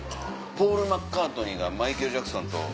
ポール・マッカートニーがマイケル・ジャクソンと。